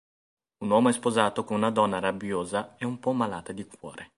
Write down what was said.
Un uomo è sposato con una donna rabbiosa e un po' malata di cuore.